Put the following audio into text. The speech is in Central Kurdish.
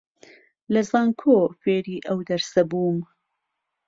لە زانکۆ فێری ئەو دەرسە بووم